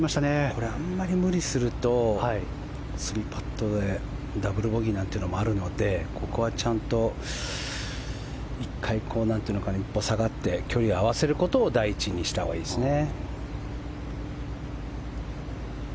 これあまり無理をすると３パットでダブルボギーなんていうのもあるのでここはちゃんと１回一歩下がって距離を合わせることを第一にしたほうがいいですね。